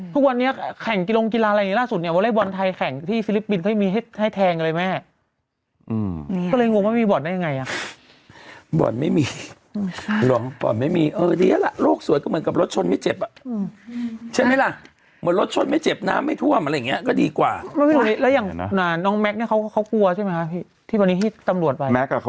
ทุกวันนี้แข่งกีโรงกีฬาอะไรอย่างนี้ล่าสุดเนี่ยว่าเล่นบอร์ดไทยแข่งที่ซิริปปินส์